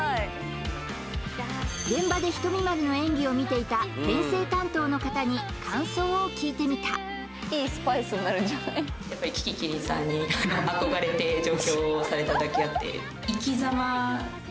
○現場でひとみ○の演技を見ていた編成担当の方に感想を聞いてみたマジ？